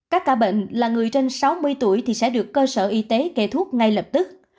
các ca bệnh là người trên sáu mươi tuổi sẽ được cơ sở y tế kể thuốc ngay lập tức